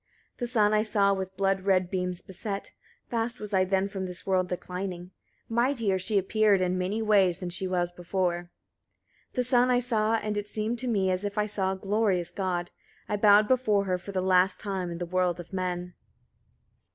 40. The sun I saw with blood red beams beset: (fast was I then from this world declining) mightier she appeared, in many ways, than she was before. 41. The sun I saw, and it seemed to me as if I saw a glorious god: I bowed before her, for the last time, in the world of men.